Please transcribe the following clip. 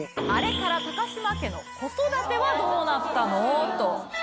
あれから高嶋家の子育てはどうなったの？と。